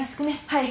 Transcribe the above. はい。